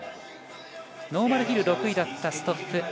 ノーマルヒル６位だったストッフ。